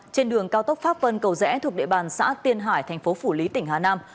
trên đường cao tốc pháp vân cầu rẽ thuộc địa bàn xã tiên hải thành phố phủ lý tỉnh hà nam